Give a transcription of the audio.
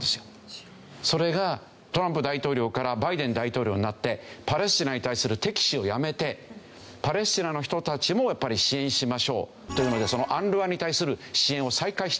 それがトランプ大統領からバイデン大統領になってパレスチナに対する敵視をやめてパレスチナの人たちもやっぱり支援しましょうというのでそのＵＮＲＷＡに対する支援を再開したんですよね。